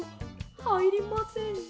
はいりません。